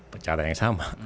percataan yang sama